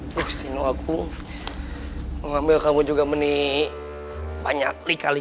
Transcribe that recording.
gustino aku mengambil kamu juga banyak kali